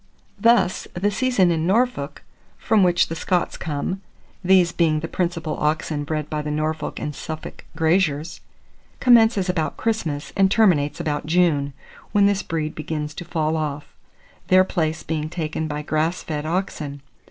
Thus, the season in Norfolk, from which the Scots come (these being the principal oxen bred by the Norfolk and Suffolk graziers), commences about Christmas and terminates about June, when this breed begins to fall off, their place being taken by grass fed oxen.